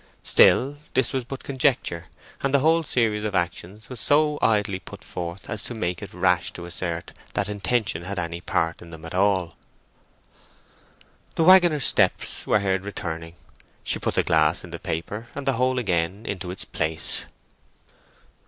Still, this was but conjecture, and the whole series of actions was so idly put forth as to make it rash to assert that intention had any part in them at all. The waggoner's steps were heard returning. She put the glass in the paper, and the whole again into its place.